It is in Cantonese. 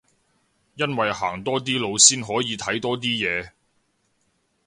因為行多啲路先可以睇多啲嘢